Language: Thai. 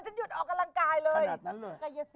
หยุดออกกำลังกายเลย